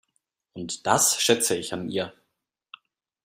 Und das schätze ich an ihr.